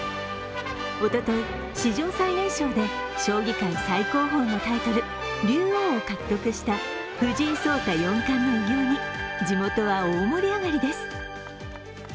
おととい、史上最年少で将棋界最高峰のタイトル竜王を獲得した藤井聡太四冠の偉業に地元は大盛り上がりです。